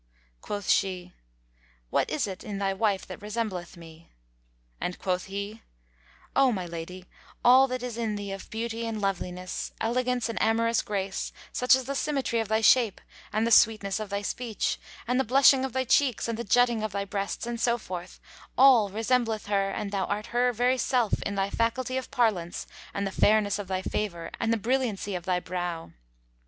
Quoth she, "What is it in thy wife that resembleth me?"; and quoth he, "O my lady, all that is in thee of beauty and loveliness, elegance and amorous grace, such as the symmetry of thy shape and the sweetness of thy speech and the blushing of thy cheeks and the jutting of thy breasts and so forth, all resembleth her and thou art her very self in thy faculty of parlance and the fairness of thy favour and the brilliancy of thy brow."